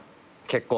結婚？